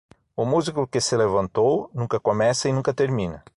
O músico que se levantou, nunca começa e nunca termina.